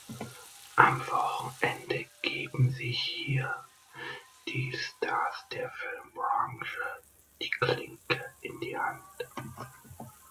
Am Wochenende geben sich hier die Stars der Filmbranche die Klinke in die Hand.